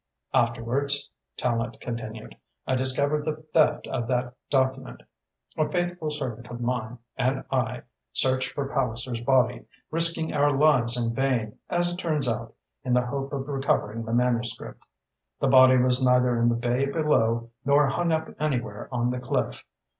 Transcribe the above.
"Afterwards," Tallente continued, "I discovered the theft of that document. A faithful servant of mine, and I, searched for Palliser's body, risking our lives in vain, as it turns out, in the hope of recovering the manuscript. The body was neither in the bay below nor hung up anywhere on the cliff.